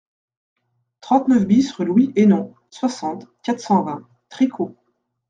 trente-neuf BIS rue Louis Hennon, soixante, quatre cent vingt, Tricot